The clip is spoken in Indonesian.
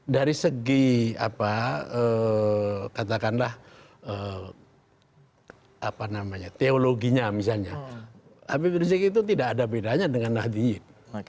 dari segi apa katakanlah apa namanya teologinya misalnya habib rizieq itu tidak ada bedanya dengan nahdi yid